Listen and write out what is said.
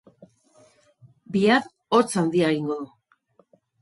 Bihar, hotz handia egingo du